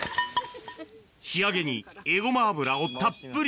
仕上げにエゴマ油をたっぷり。